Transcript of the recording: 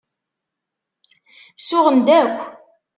Suɣen-d akk.